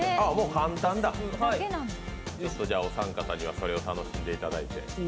簡単なんだ、お三方には、それを楽しんでいただいて。